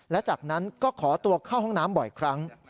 และจากนั้นก็ขอตัวเข้าห้องน้ำบ่อยครั้ง